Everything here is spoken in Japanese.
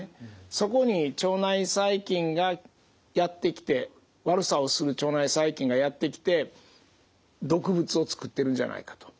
そこに腸内細菌がやって来て悪さをする腸内細菌がやって来て毒物を作ってるんじゃないかと。